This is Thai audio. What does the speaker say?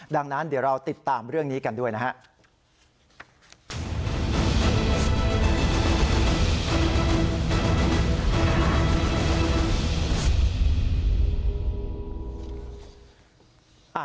ดังนั้นเดี๋ยวเราติดตามเรื่องนี้กันด้วยนะฮะ